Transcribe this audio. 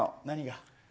何が？